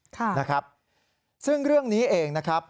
ค่ะนะครับซึ่งเรื่องนี้เองนะครับ